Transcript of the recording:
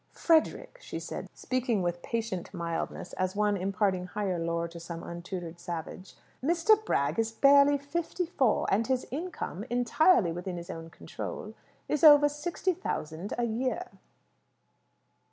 "Frederick," she said, speaking with patient mildness, as one imparting higher lore to some untutored savage, "Mr. Bragg is barely fifty four; and his income entirely within his own control is over sixty thousand a year."